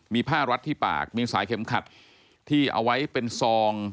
มีผ้ารัดที่ปากมีสายเข็มขัดที่เอาไว้เป็นซอง